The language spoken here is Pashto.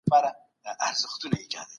هره خبره ې قيمتي ده